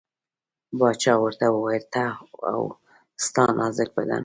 باچا ورته وویل ته او ستا نازک بدن.